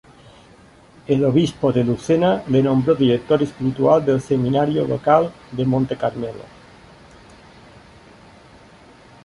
El obispo de Lucena le nombró director espiritual del seminario local de Monte Carmelo.